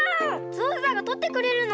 ぞうさんがとってくれるの？